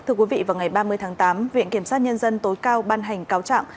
thưa quý vị vào ngày ba mươi tháng tám viện kiểm sát nhân dân tối cao ban hành cáo trạng